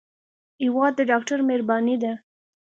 هېواد د ډاکټر مهرباني ده.